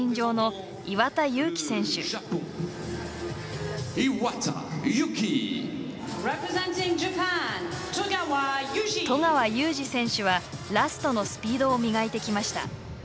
十川裕次選手はラストのスピードを磨いてきました。